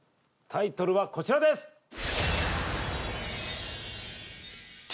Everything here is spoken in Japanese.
タイトルはこちらですうわ